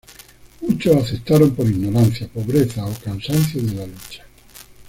Muchos aceptaron por ignorancia, pobreza o cansancio de la lucha.